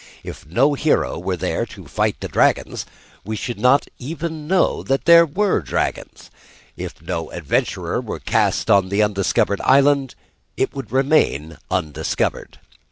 If no hero were there to fight the dragons, we should not even know that they were dragons. If no adventurer were cast on the undiscovered island it would remain undiscovered.